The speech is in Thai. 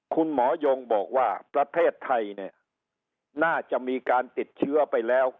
คุณหมอยงบอกว่าประเทศไทยเนี่ยน่าจะมีการติดเชื้อไปแล้ว